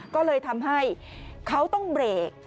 ก็เลยทำให้เขาต้องเบรก